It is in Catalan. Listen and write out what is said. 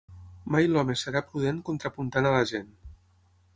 Mai l'home serà prudent contrapuntant a la gent.